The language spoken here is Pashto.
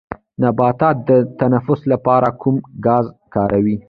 نباتات د تنفس لپاره کوم ګاز کاروي